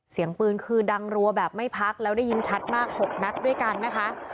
เสียงปืนคือดังรัวแบบไม่พักแล้วได้ยินชัดมาก๖นัดด้วยกันนะคะ